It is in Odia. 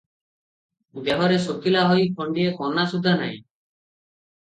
ଦେହରେ ଶୁଖିଲା ହୋଇ ଖଣ୍ଡିଏ କନା ସୁଦ୍ଧା ନାହିଁ ।